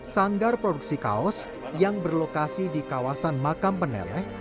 sanggar produksi kaos yang berlokasi di kawasan makam peneleh